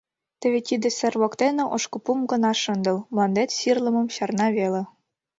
Теве тиде сер воктене ошкыпум гына шындыл, мландет сирлымым чарна веле.